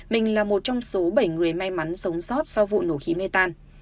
mình là một trong số bảy người may mắn sống sót sau vụ nổ khí mê tan